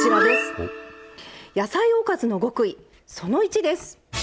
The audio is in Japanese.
野菜おかずの極意その１です。